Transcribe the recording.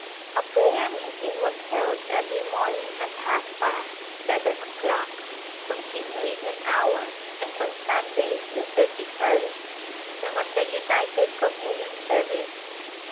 A prayer meeting was held every morning at half past seven o'clock, continuing an hour, and on Sunday, the thirty first, there was a united communion service.